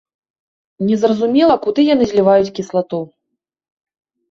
Не зразумела, куды яны зліваюць кіслату.